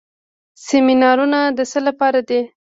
سیمینارونه د څه لپاره دي؟